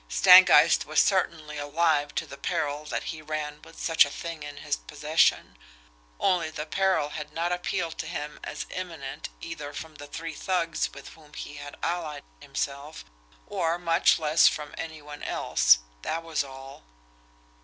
Stangeist was certainly alive to the peril that he ran with such a thing in his possession, only the peril had not appealed to him as imminent either from the three thugs with whom he had allied himself, or, much less, from any one else, that was all.